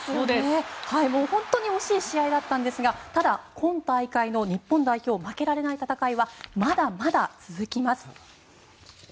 本当に惜しい試合だったんですがただ、今大会の日本代表負けられない戦いはまだまだ続きます。